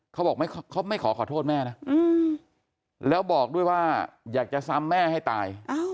เขาบอกเขาไม่ขอขอโทษแม่นะแล้วบอกด้วยว่าอยากจะซ้ำแม่ให้ตาย